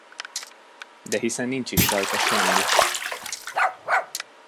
De hiszen nincs is rajta semmi!